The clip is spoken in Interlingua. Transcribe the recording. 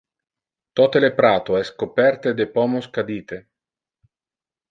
Tote le prato es coperte de pomos cadite.